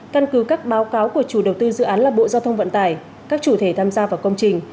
căn cứ các báo cáo của chủ đầu tư dự án là bộ giao thông vận tải các chủ thể tham gia vào công trình